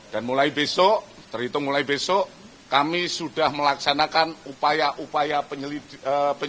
dan mulai besok terhitung mulai besok kami sudah melaksanakan upaya upaya penyidikan